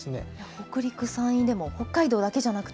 北陸、山陰でも、北海道だけじゃなくて。